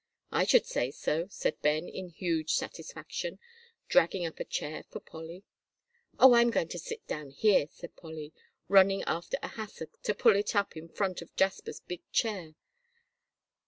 "I should say so," said Ben, in huge satisfaction, dragging up a chair for Polly. "Oh, I'm going to sit down here," said Polly, running after a hassock, to pull it up in front of Jasper's big chair.